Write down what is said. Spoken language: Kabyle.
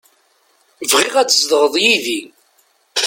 Bɣiɣ ad tzedɣeḍ yid-i.